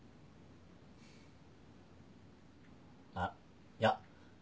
あっいや